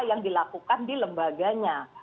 yang dilakukan di lembaganya